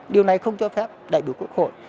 điều này không cho phép đại biểu quốc hội